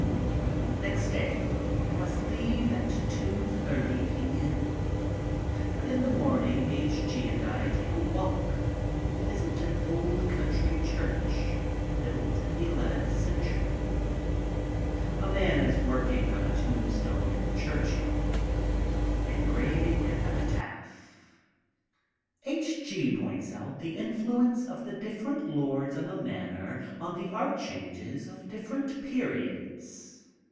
Next day I must leave at 2.30 p.m., but in the morning H. G. and I take a walk and visit an old country church built in the eleventh century. A man is working on a tomb stone in the churchyard, engraving an epitaph. I FLY FROM PARIS TO LONDON 133 H. G. points out the influence of the different lords of the manor on the art changes of different periods.